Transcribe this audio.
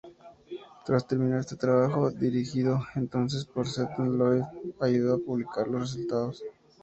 Tras terminar este trabajo, dirigido entonces por Seton Lloyd, ayudó a publicar los resultados.